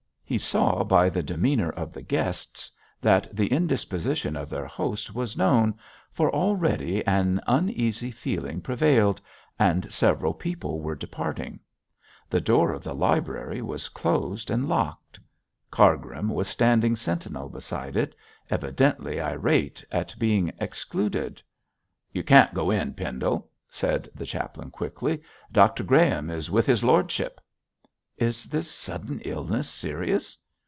He saw by the demeanour of the guests that the indisposition of their host was known, for already an uneasy feeling prevailed, and several people were departing. The door of the library was closed and locked. Cargrim was standing sentinel beside it, evidently irate at being excluded. 'You can't go in, Pendle,' said the chaplain, quickly. 'Dr Graham is with his lordship.' 'Is this sudden illness serious?'